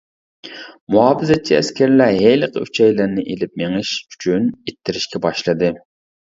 مۇھاپىزەتچى ئەسكەرلەر ھېلىقى ئۈچەيلەننى ئېلىپ مېڭىش ئۈچۈن ئىتتىرىشكە باشلىدى.